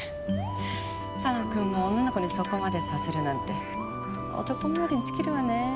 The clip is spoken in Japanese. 佐野君も女の子にそこまでさせるなんて男冥利に尽きるわねえ。